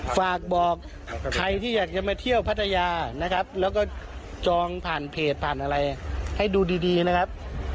ฝากบอกใครที่อยากจะมาเที่ยวพัทยานะครับแล้วก็จองผ่านเพจผ่านอะไรให้ดูดีนะครับ